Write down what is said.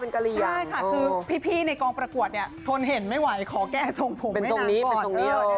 ใช่ค่ะคือพี่ในกองประกวดเนี่ยทนเห็นไม่ไหวขอแก้ส่งผมให้หนักก่อน